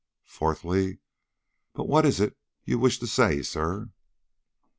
Fourthly but what is it you wish to say, sir?"